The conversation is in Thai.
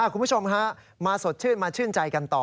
คุณผู้ชมฮะมาสดชื่นมาชื่นใจกันต่อ